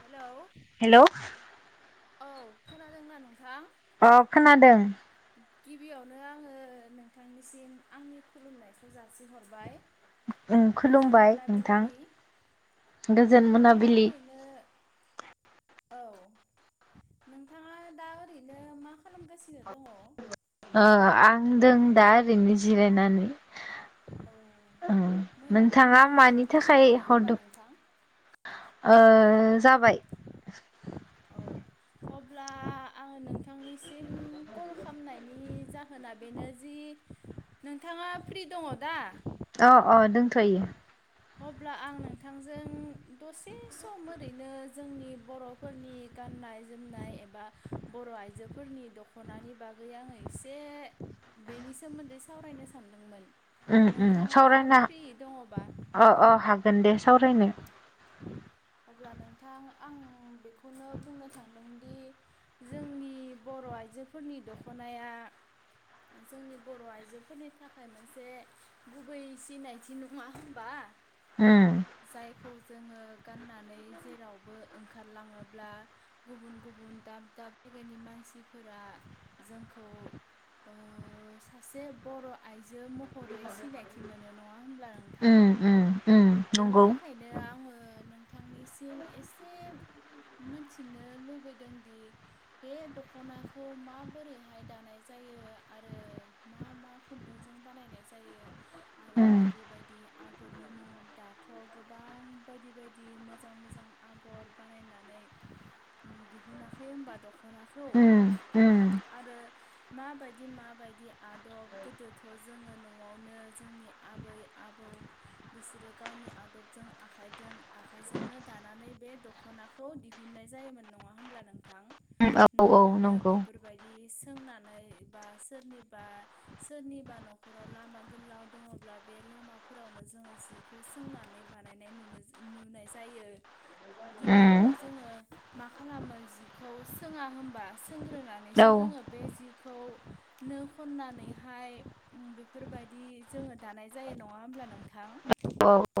Hello hello औ खोनादोंना नोंथां? अ खोनादों गिबियावनो आङो नोंथांनिसिम आंनि खुलुमनायखौ जासिहरबाय। ओं गोजोन खुलुमबाय नोंथां मोनाबिलिनि गोजोन नोंथाङा दा मोनाबिलि ओरैनो औ नोंथाङा दा ओरैनो मा खालामगासि [inaudible] ओ आं बुंदों दा ओरैनो जिरायनानै [inaudible] उम मोनानि नोंथाङा मानि जानो थाखाय जायाखै होमबा हरदों नोंथां ओ जाबाय औ अब्ला आङो नोंथांनि सि सिम खल' खालामनायनि जाहोना बेनो जि नोंथाङा फ्रि दङ दा? अ अ दंथ'यो अब्ला आं नोंथांजों दसे सम ओरैनो जोंनि बर'फोरनि गाननाय जोमनाय एबा बर' आइजोफोरनि दख'नानि बागै आङो एसे बेनि सोमोन्दै सावरायनो सानदोंमोन उम उम नोंथाङा सावरायना फ्रि दङबा? अ अ हागोन दे सावरायनो अब्ला नोंथां आं बेखौनो बुंनो थांदोंदि जोंनि बर' आइजोफोरनि दख'नाया जोंनि बर' आइजोफोरनि थाखाय मोनसे गुबै सिनायथि नङा होनबा? उम जायखौ जोङो गानना नै जेरावबो ओंखारलाङोब्ला गुबुन गुबुन दाब दाब जायगानि मानसिफोरा जोंखौ ओ सासे बर' आइजो महरै सिनायथि मोनो नङा होनब्ला नोंथां उम उम उम बेनि नंगौ थाखायनो आङो थांनिसिम एसे मोनथिनो लुबैदोंदि बे दखनाखौ माबोरैहाय दानाय जायो आरो मा मा खुन्दुंजों बानायनाय जायो आरो उम बायदि बायदि आगरनि मुं दाथ' गोबां बायदि बायदि दि मोजां मोजां आगर बानायनानै दिहुनाखै होमबा दख' ख'नाखौ उम उम आरो माबायदि माबायदि आदब गोदोथ' जोङो न'आवनो जोंनि आबै आबौ बिसोरो गावनि आदबजों आखाइजों आखाइजोंनो दानानै बे दख'नाखौ दिहुननाय जायोमोन नङा होमब्ला नोंथां? औ औ न'आवनो नंगौ बेफोरबायदि सोंना नै बा सोरनिबा सोरनिबा न'खराव लामा गोलाव दङब्ला बे लामाफोरावनो जोङो जिखौ सोंनानै बानायनाय नुनो जो नुनाय जायो गिबियावनो उम जोङो मा खालामो जिखौ सोङा होमबा? औ सोंग्रोनानैसो जोङो बे जिख खौ नो खननानैहाय बेफोरबायदि जोङो दानाय जायो नङा होमब्ला नोंथां? औ औ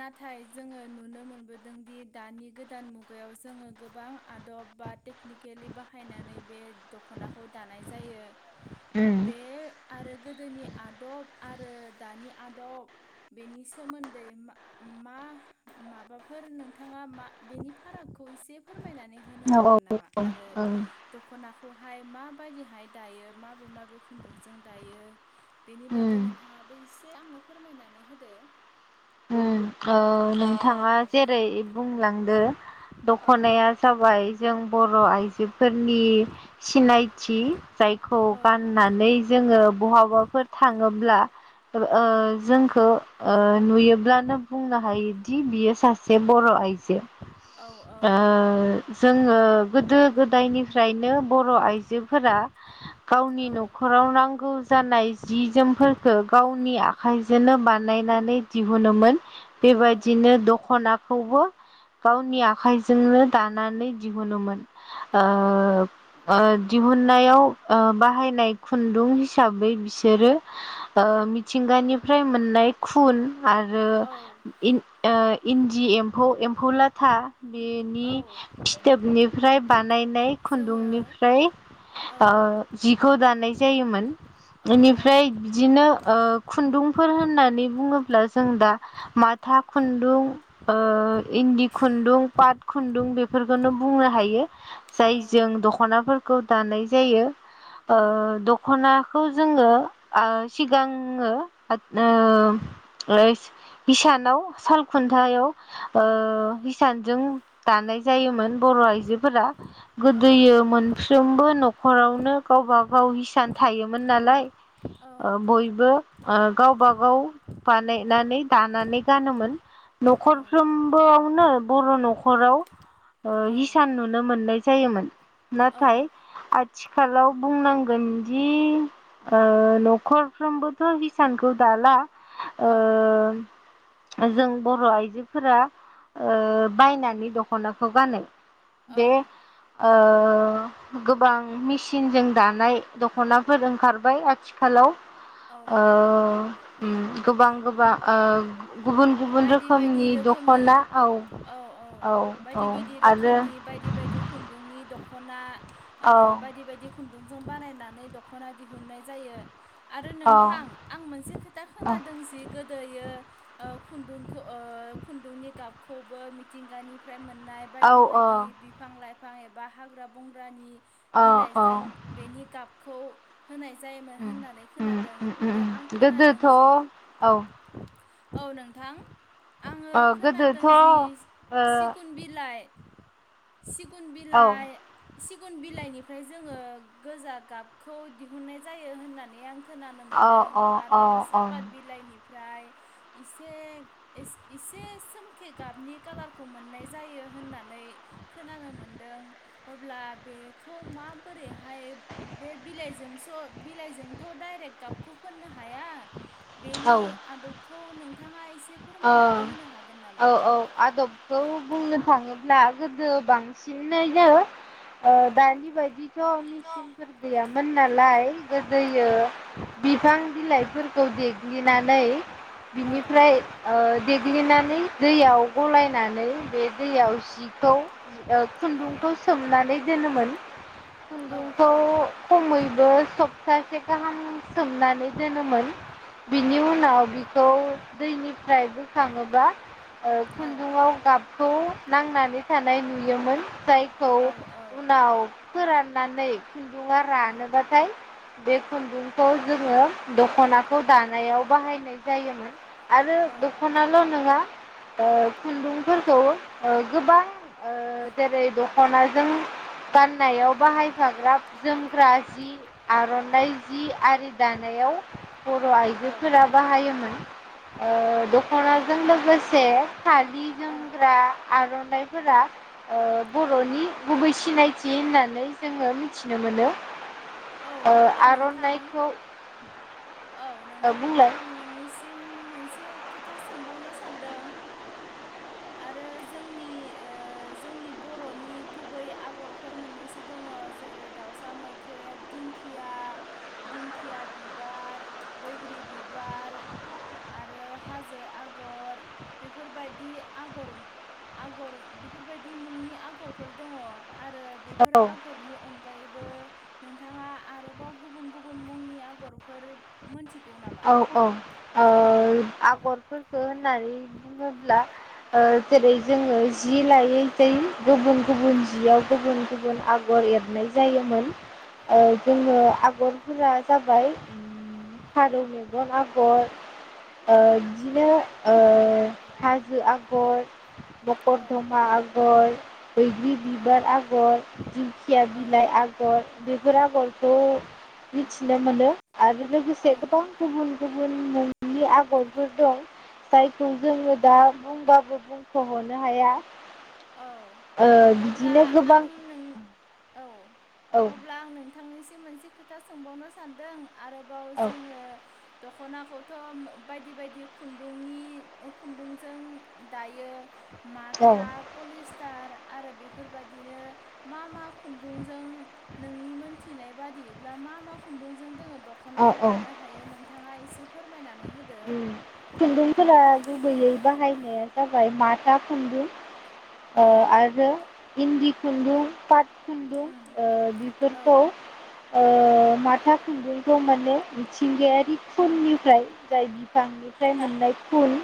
नाथाय जोङो नुनो मोनबोदोंदि दानि गोदान मुगायाव जोङो गोबां आदब बा टेकनिकेलि बाहायनानै बे दख'नाखौ दानाय जायो उम बे आरो गोदोनि आदब आरो दानि आदब बेनि सोमोन्दै मा माबाफोर नोंथाङा मा बेनि फारागखौ एसे फोरमायनानै होनो औ हागोन नामा औ आरो औ दख 'ना खौहाय माबायदिहाय दायो माबे माबे खुन्दुंजों दायो बेनि बागै उम नोंथाङाबो एसे आंनो फोरमायनानै होदो ओ नोंथाङा जेरै बुंलांदो औ दखनाया जाबाय जों बर' आइजोफोरनि सिनाय थि जायखौ औ गाननानै जोङो बहाबाफोर थाङोब्ला ओ औ जोंखौ ओ नुयोब्लानो बाहायोदि बियो सासे बर' आइजो औ ओ जोङो गोदो गोदायनिफ्रायनो बर' आइजोफोरा गावनि औ न'खराव नांगौ जानाय जि जोमफोरखो गाव आंनि आखाइजोनो बानायनानै दिहुनोमोन। औ बेबायदिनो दख'ना खौबो गावनि आ खाइजोंनो दानानै दिहुनोमोन। ओ औ ओ दिहुननायाव ओ बाहायनाय खुन्दुं हिसाबै बिसोरो ओ मिथिंगानिफ्राय मोननाय खुन आरो औ इन ओ इन्दि एम्फौ एम्फौ लाथा बेनि औ फिथोबनिफ्राय बानायनाय जोङो खुन्दुंनिफ्राय औ ओ जिखौ दानाय जायोमोन। औ इनिफ्राय औ बिदिनो ओ खुन्दुंफोर होननानै बुङो ब्ला जों दा मा था खुन्दुं ओ इन्दि खुन्दुं पाट खुन्दुं बेफोरखौनो बुंनो हायो। जाय औ जों दख'नाफोर खौ दानाय जायो। औ ओ द'खना खौ जोङो ओ‌ सिगाङो ओ ओ हिसानाव साल खुन्थायाव ओ हिसान ओं दानाय जायोमोन बर' आइजो फोरा औ गोदोयो मोनफ्रोमबो न'खरावनो गावबा गाव हिसान थायोमोन नालाय। औ [inaudible] ओ बयबो ओ गावबा गाव बानायनानै दानानै गानोमोन न'खरफ्रोमबोआवनो। बर' न'खराव ओ औ हिसान नुनो मोननाय जायोमोन। नाथाय आथि खालाव बुंनांगोनदि ओ न'खरफ्रोमबोथ' हिसानखौ दाला। ओ। ओ जों बर' आइजोफोरा ओ बायनानै दख'नाखौ गानो बे औ ओ ओ गोबां मेसिनजों दानाय दख'नाफोर ओंखारबाय आथिखालाव। ओ औ औ ओम गोबां गोबा ओ गुबुन गुबुन बायदि बायदि रोखोमनि रोखोमनि दख'ना औ औ औ बायदि बायदि आरो रोखोमनि बायदि बायदि खुन्दुंनि द खना ओ औ बायदि बायदि खु न्दुंजों बानायनानै दख'ना दिहुननाय जायो। आरो औ नोंथां आं मोनसे खोथा औ खोनादों जे गो दोयो खुन्दुंखौ ओ खुन्दुंनि गाबखौबो मिथिंगानि फ्राय मोननाय औ बायदि बायदि बिफां लाइफां बिफां एबा हाग्रा बंग्रानि औ औ बिलाइजों बेनि गाब खौ होनाय जायोमोन उम होननानै उम खोनादों उम उम आरो आं खोनादों गोदोथ' औ जि ओ औ नों थां आङो गोदोथ' खोनादों ओ जि सिगुन बिलाइ सिगुन औ अ बिलाइ सि गुन बिलाइनिफ्राय जोङो गोजा गाबखौ दिहुननाय जायो होननानै आं खोनानो अ मोन्दों अ अ आरो सापात बिलाइनि फ्राय इसि से एस एसे सोमखे गाबनि खालारखौ मोननाय जायो होननानै खोनानो मोनदों अब्ला बेखौ माबोरैहाय बे बिलाइजोंस' बिलाइजोंथ' डाइरेक्ट गाबखौ फोननो हाया। औ बेनि आदबखौ नों ओ, औ औ आदबखौ बुंनो थाङो ब्ला‌ गोदो बांसिननैनो ओ औ दानि बायदिथ' मिचिनफोर गैयामोन नालाय गोदोयो औ बिफां बिलाइफोरखौ देग्लिनानै औ बिनिफ्राय ओ देग्लिनानै दैयाव गलाय नानै दैयाव सि खौ ओ औ खुन्दुंखौ सोमनानै दोनोमोन। औ खुन्दुंखौ खमैबो सब थासे गाहाम सोमनानै दोनोमोन। औ बिनि उनाव बिखौ दैनिफ फ्राय बोखाङोबा ओ औ खुन्दुंआव गाबखौ नांनानै थानाय नुयोमोन जायखौ औ उनाव फोराननानै। खुन्दुङा रानो औ बाथाय। बे खुन्दुंखौ जोङो दख'नाखौ दानायाव बाहायनाय जायोमोन आरो। दख'नाल' नोङा ओ खुन्दुंफोरखौ ओ गोबां ओ जेरै दख'नाजों गाननायाव बाहायफाग्रा जोमग्रा जि आर'नाइ जि आरि दानायाव बर' औ आइजोफोरा बाहायोमोन ओ। अब्ला दख'नाजों लोगोस से फालि औ जोमग्रा आरन नायफोरा ओ बर'नि गुबैस सिनायथि होननानै जोङो मिथिनो मोनो। औ ओ हब्ला नोंथां आर'नाइखौ औ ओ नोंथां बुंलाय आं नोंनिसिम मोनसे खोथ था सोंबावनो सानदों आरो जोंनि ओ जोंनि बर'नि गुबै आगरफोर मोननैसो दङ जेरै दाउसा मोख्रेब दिंखिया दिंखिया बिबार बैग्रि बिबार आरो हाजो आगर बेफोरबायदि आगर आगर बेफोरबायदि मुंनि आगरफोर दङ। आरो बेफोर औ आगरनि अन गायैबो नों नोंथाङा आरोबाव गुबुन गुबुन मुंनि आगरफोर मोनथिगौन औ औ ओ आगरफोरखो होननानै बुङोब्ला, ओ जेरै जोङो जि लायै जै गुबुन गुबुन जियाव गुबुन गुबुन आगर एरनाय जायोमोन। ओ औ जोङो आगर फोरा जाबाय। फारौ मेगन आगर। ओ औ बिदिनो हाजो आगर औ मकरधमा आगर। बैग्रि औ बिबार आगर। दिंखिया बिलाइ आगर बे बेफोर आगरखौ मिथिनो मोनो आरो। औ सदब औ खह [unintelligible] गुबुन मनि आगरफोर दं जाय। जोङो दा बुंबाबो बुंख'हरनो हाया औ ओ अब्ला बिदिनो आं गोबां नों औ औ अब्ला आं नोंथां थांनिसिम मोनसे खोथा सोंबावनो सानदों आरोबाव जोङो दख'नाखौथ' बायदि बायदि खुन्दुंनि खुन्दुंजों दायो औ माथा पलिस्टार आरो बेफोरबायदिनो मा मा खुन्दुंजों नोंनि मोनथिनाय बादिब्ला मा मा खुन्दुंजों दङो दख'नाखौ दानो हायो नोंथाङा एसे फोरमायनानै होदो खुन्दुं फोरा गुबैयै बाहायनाया जाबाय माथा खुन्दुं औ आरो इन्डि खुन्दुं खुन्दुं उम ओ औ बिफोरखौ ओ माथा खुन्दुंखौ माने मिथिंगायारि खुननिफ्राय जाय बिफांनिफ्राय मोननाय फुल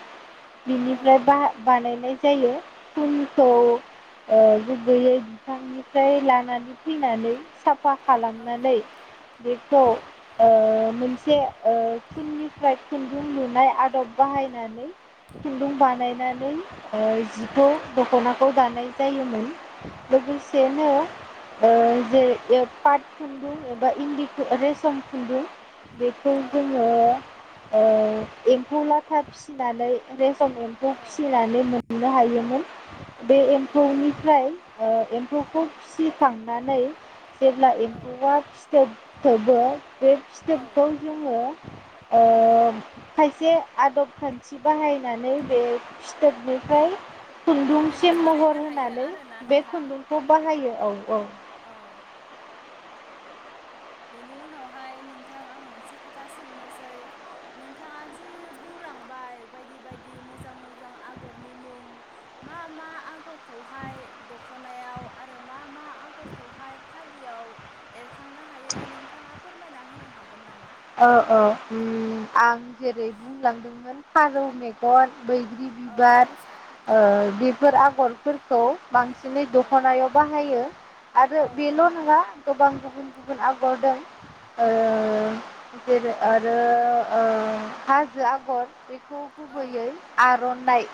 औ बिनिफ्राय बानायनाय जायो खुनखौ औ ओ गुगैयै बिफांनिफ्राय लानानै फैनानै साफा खालामनानै औ बेखौ औ ओ मोनसे ओ खुननिफ्राय जों नुनाय आदब बाहायनानै खुन्दुं औ-औ-औ-औ-औ-औ-औ-औ बानायनानै जिखौ दख'नाखौ दानाय जायोमोन लोगोसेनो ओ जे पाट खुन्दुं बा इन्दिखौ रेसम खुन्दुं बेखौ जोङो ओ एम्फौ लाथा फिसिनानै रेसम एम्फौ फिनानै मोननो हायोमोन बे एम्फौनिफ्राय एम्फौखौ फिसिखांनानै जेब्ला एम्फौआ फिथोब थोबो बे फिथोबखौ जोङो अ' खायसे आदब खान्थि बाहायनानै बे फिथोबनिफ्राय खुन्दुंखौ खुन्दुंसिम बानायनो महर हायो होनानै आरोना बे नोंथां खुन्दुंखौ बाहायो औ। औ। औ। बेनि उनावहाय नोंथां आं मोनसे खोथा सोंनोसै नोंथाङा जि बुंलांबाय बायदि बायदि मोजां मोजां आगरनि मुं मा मा आगरखौहाय दखनायाव आरो मा मा आगरखौहाय फालियाव एरखांनो हायो नोंथाङा फोरमायना होनो हागोन नामा औ औ आं जेरै- बुंलांदोंमोन फारौ मेगन, बैग्रि औ बिबार ओ बेफोर आगरफोरखौ बांसिनै औ दख'नायाव बाहायो औ आरो औ बेल' नङा गोबां गुबुन गुबुन आगर दं औ ओ जेरै - आरो ओ हाजो आगर बे खौ औ गुबैयै आर'नाय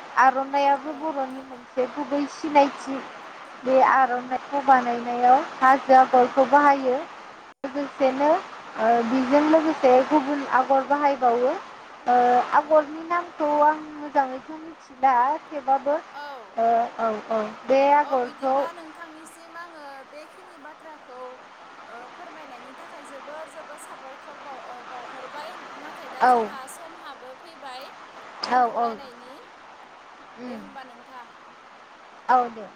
औ आर'नाइयाबो बर'नि मोनसे गुबै सिनायथि बे- आरनाइखौ बानायनायाव हाजो आगरखौ बाहायो। लोगोसेनो औ जों लोगोसे गुबुन आगर बाहायबावो। ओ औ आगरनि नामखौ आङो मोजाङैथ' मिथिला। थेवबाबो औ बे औ आगरखौ बिदिब्ला नोंथांनिसिम आङो बे खिनि बाथ्राखौ फोरमायनायनि थाखाय जोबोर जोबोर साबायखर बावहरबाय। नाथाय दा औ जोंहा समहाबो फैबाय। औ औ दोनथ'लायनायनि उम दे होम्बा नोंथां। औ दे।